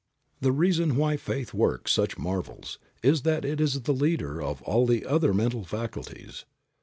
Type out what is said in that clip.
The reason why faith works such marvels is that it is the leader of all the other mental faculties.